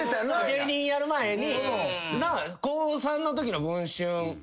芸人やる前に。